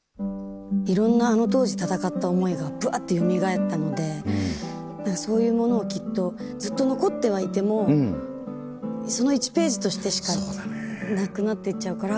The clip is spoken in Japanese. いろんなあの当時闘った思いがぶわってよみがえったのでそういうものをきっとずっと残ってはいてもその１ページとしてしか。なくなっていっちゃうから。